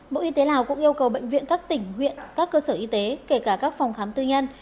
bộ y tế lào cũng yêu cầu bệnh viện các tỉnh huyện các cơ sở y tế kể cả các phòng khám tư nhân